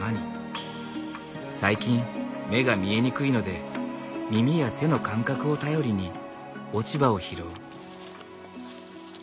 最近目が見えにくいので耳や手の感覚を頼りに落ち葉を拾う。